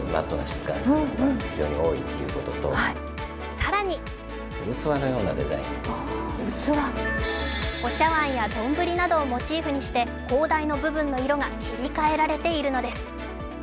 更にお茶わんや丼などをモチーフにして、高台の部分の色が切り替えられているのです。